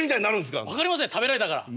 分かりません食べられたから。